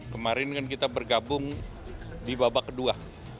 kemarin kan kita bergabung di babak kedua